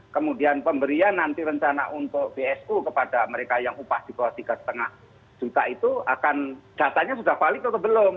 kemudian pemberian nanti rencana untuk bsu kepada mereka yang upah di bawah tiga lima juta itu akan datanya sudah balik atau belum